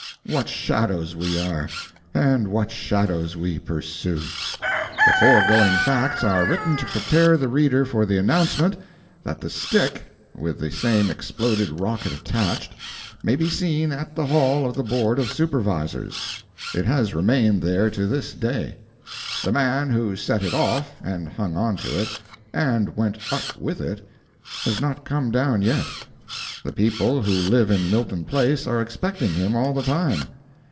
What shadows we are, and what shadows we pursue. The foregoing facts are written to prepare the reader for the announcement that the stick, with the same exploded rocket attached, may be seen at the hall of the Board of Supervisors. It has remained there to this day. The man who set it off, and hung on to it, and went up with it, has not come down yet. The people who live in Milton Place are expecting him, all the time.